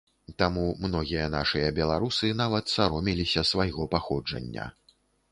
Таму многія нашыя беларусы нават саромеліся свайго паходжання.